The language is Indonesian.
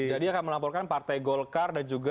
jadi akan melaporkan partai golkar dan juga